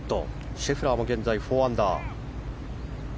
シェフラーも現在、４アンダー。